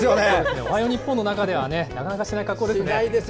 「おはよう日本」の中ではなかなかしない格好ですよね。